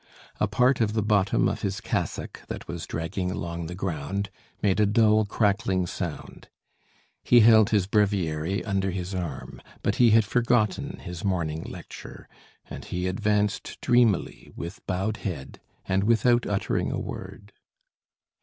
A part of the bottom of his cassock that was dragging along the ground, made a dull crackling sound. He held his breviary under his arm; but he had forgotten his morning lecture, and he advanced dreamily, with bowed head, and without uttering a word.